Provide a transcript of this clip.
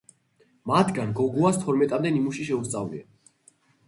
მათგან გოგუას თორმეტამდე ნიმუში შეუსწავლია.